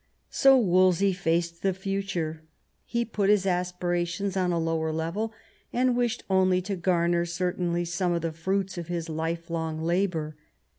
So Wolsey faced the future ; he put his aspirations on a lower level, and wished only to gamer certainly some of the fruits of his life long labour.